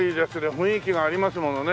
雰囲気がありますものね。